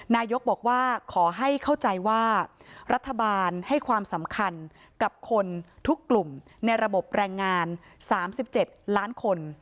นายกบอกว่าขอให้เข้าใจว่ารัฐบาลให้ความสำคัญกับคนทุกกลุ่มในระบบแรงงาน๓๗ล้านคน